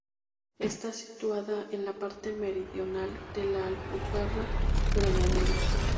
Está situada en la parte meridional de la Alpujarra Granadina.